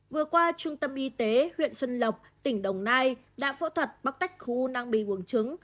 vừa qua trung tâm y tế huyện xuân lộc tỉnh đồng nai đã phẫu thuật bác tách khu năng bì vùng trứng